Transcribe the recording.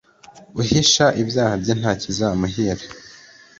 uhisha ibyaha bye, ntakizamuhira